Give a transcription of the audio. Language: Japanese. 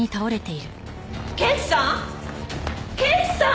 刑事さん！？